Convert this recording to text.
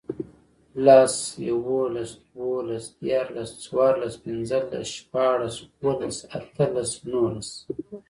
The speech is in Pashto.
لس, یوولس, دوولس, دیرلس، څورلس, پنځلس, شپاړس, اووهلس, اتهلس, نونس